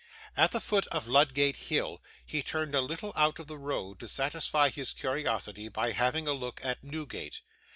At the foot of Ludgate Hill, he turned a little out of the road to satisfy his curiosity by having a look at Newgate.